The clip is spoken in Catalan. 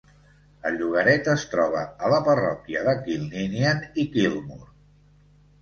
El llogaret es troba a la parròquia de Kilninian i Kilmore.